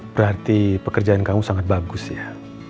berarti pekerjaan kamu sangat bagus ya